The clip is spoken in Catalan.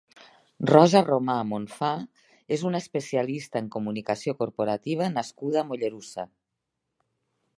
Rosa Romà Monfà és una especialista en comunicació corporativa nascuda a Mollerussa.